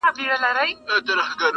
او که ولاړم تر قیامت پوري مي تله دي!٫.